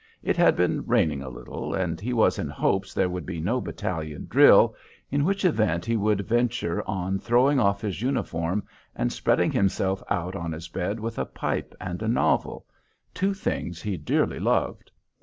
It had been raining a little, and he was in hopes there would be no battalion drill, in which event he would venture on throwing off his uniform and spreading himself out on his bed with a pipe and a novel, two things he dearly loved.